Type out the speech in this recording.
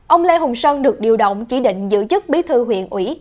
ông lê hùng sơn được điều động chỉ định giữ chức bí thư huyện ủy